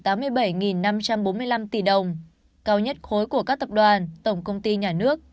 bốn mươi năm tỷ đồng cao nhất khối của các tập đoàn tổng công ty nhà nước